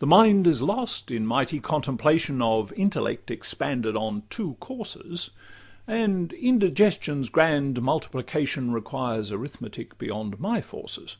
The mind is lost in mighty contemplation Of intellect expanded on two courses; And indigestion's grand multiplication Requires arithmetic beyond my forces.